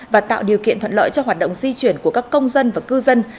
và tạo điều kiện thuận lợi cho hoạt động di chuyển của các công dân và cư dân